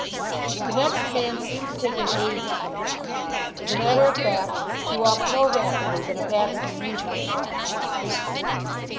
The next man seemed to take an age coming out. As a matter of fact, he walked more rapidly than a batsman usually walks to the crease.